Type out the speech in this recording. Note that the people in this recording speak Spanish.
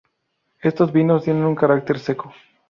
Estos vinos tienen un carácter seco.